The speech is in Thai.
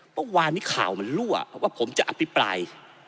เมื่อวานนี้ข่าวมันรั่วว่าผมจะอภิปราย